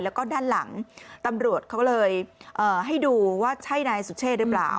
แล้วก็ด้านหลังตำรวจเขาเลยให้ดูว่าใช่นายสุเชษหรือเปล่า